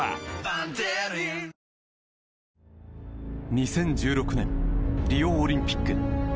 ２０１６年リオオリンピック。